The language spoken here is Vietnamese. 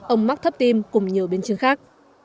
ông mắc thấp tim cùng nhiều biến chứng khác